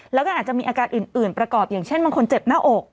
แล้วก็อาจจะมีอาการอื่นประกอบอย่างเช่นบางคนเจ็บหน้าอก